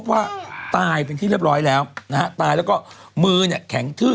ว่าตายเป็นที่เรียบร้อยแล้วนะฮะตายแล้วก็มือเนี่ยแข็งทื้อ